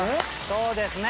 そうですね。